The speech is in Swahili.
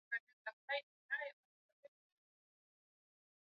Watu wangu wapendwa mmeshiba?